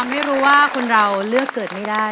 ไม่รู้ว่าคนเราเลือกเกิดไม่ได้